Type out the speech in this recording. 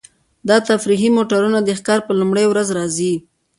دا تفریحي موټرونه د ښکار په لومړۍ ورځ راځي